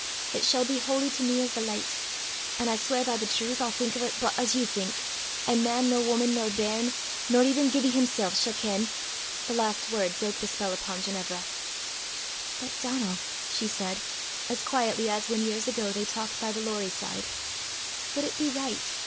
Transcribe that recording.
It shall be holy to me as the licht; an' I sweir by the Trowth I'll think o' 't but as ye think, an' man nor wuman nor bairn, no even Gibbie himsel', sall ken " The last word broke the spell upon Ginevra. "But, Donal," she said, as quietly as when years ago they talked by the Lorrie side, "would it be right?